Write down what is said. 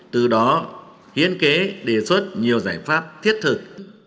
từ đó hiến kế đề xuất nhiều giải pháp thiết thực